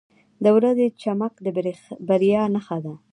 • د ورځې چمک د بریا نښه ده.